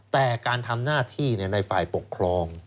แต่การทำหน้าที่ในฝ่ายปกครอง